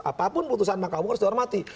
apapun putusan mahkamah agung harus dihormati